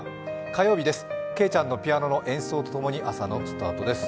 火曜日です、けいちゃんのピアノの演奏とともに朝のスタートです。